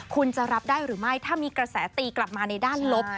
คุณจะรับได้หรือไม่ถ้ามีกระแสตีกลับมาในด้านลบ